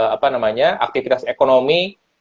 apa namanya aktivitas ekonomi